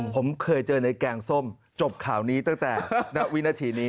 ผมเคยเจอในแกงส้มจบข่าวนี้ตั้งแต่ณวินาทีนี้